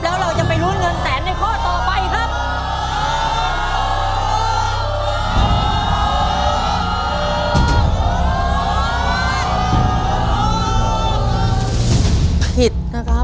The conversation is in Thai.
แล้วเราจะไปลุ้นเงินแสนในข้อต่อไปครับ